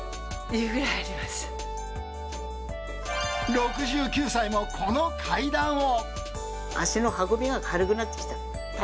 ６９歳もこの階段を。